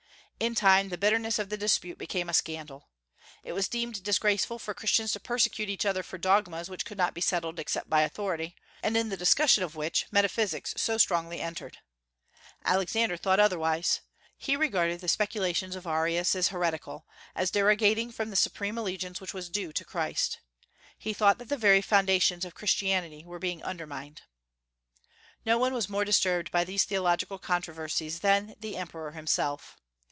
In time the bitterness of the dispute became a scandal. It was deemed disgraceful for Christians to persecute each other for dogmas which could not be settled except by authority, and in the discussion of which metaphysics so strongly entered. Alexander thought otherwise. He regarded the speculations of Arius as heretical, as derogating from the supreme allegiance which was due to Christ. He thought that the very foundations of Christianity were being undermined. No one was more disturbed by these theological controversies than the Emperor himself.